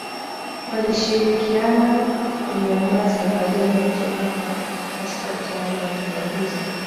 walishirikiana kuliondoa taifa hilo kutoka katika utawala wa kibaguzi